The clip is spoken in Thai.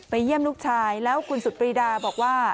เยี่ยมลูกชายแล้วคุณสุดปรีดาบอกว่า